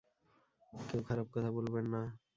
কেউ খারাপ কথা বলবেন না।